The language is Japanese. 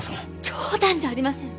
冗談じゃありません。